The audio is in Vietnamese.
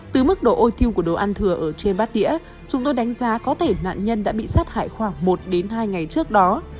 từ mức độ ôi thiêu của đồ ăn thừa ở trên bát đĩa chúng tôi đánh giá có thể nạn nhân đã bị sát hại khoảng một đến hai ngày trước đó